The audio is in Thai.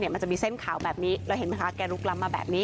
มันจะมีเส้นขาวแบบนี้แล้วเห็นไหมคะแกลุกล้ำมาแบบนี้